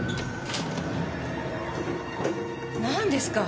何ですか？